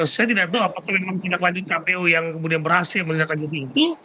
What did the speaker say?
saya tidak tahu apakah memang tindak lanjut kpu yang kemudian berhasil menindaklanjuti itu